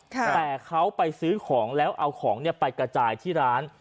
แต่เขาไปซื้อของแล้วเอาของไปกระจายที่ร้าน